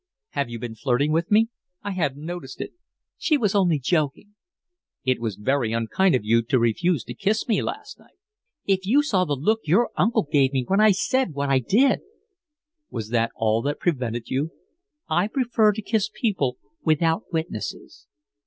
"Have you been flirting with me? I hadn't noticed it." "She was only joking." "It was very unkind of you to refuse to kiss me last night." "If you saw the look your uncle gave me when I said what I did!" "Was that all that prevented you?" "I prefer to kiss people without witnesses."